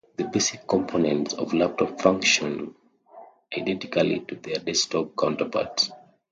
The basic components of laptops function identically to their desktop counterparts.